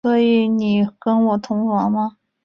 所以我跟你同房吗？